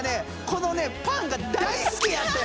このパンが大好きやった！